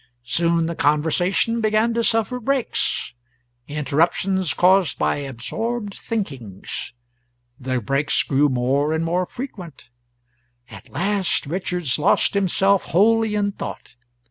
Soon the conversation began to suffer breaks interruptions caused by absorbed thinkings. The breaks grew more and more frequent. At last Richards lost himself wholly in thought.